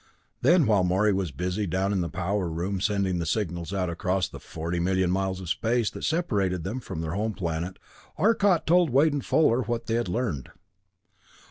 Then, while Morey was busy down in the power room sending the signals out across the forty million miles of space that separated them from their home planet, Arcot told Wade and Fuller what they had learned.